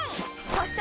そして！